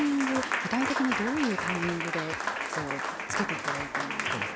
具体的に、どういうタイミングで付けていったらいいと思いますか。